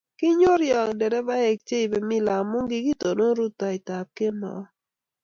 Kinyorio derevaik che ibei mile amu kikitonon rutoiteb kemou